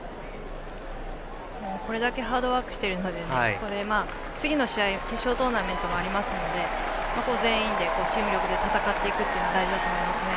これだけハードワークしているので次の試合決勝トーナメントもありますので全員でチーム力で戦っていくことは大事ですね。